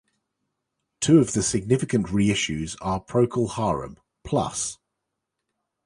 Two of the significant reissues are Procol Harum...Plus!